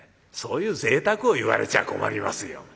そういうぜいたくを言われちゃ困りますよ。